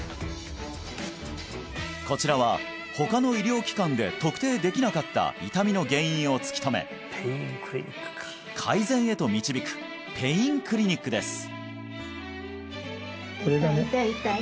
こちらは他の医療機関で特定できなかった痛みの原因を突き止め改善へと導くペインクリニックです